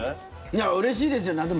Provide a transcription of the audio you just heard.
いや、うれしいですよね。